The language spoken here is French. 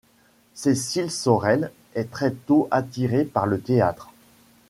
Cécile Sorel est très tôt attirée par le théâtre.